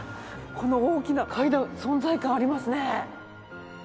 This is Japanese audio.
この大きな階段存在感ありますね。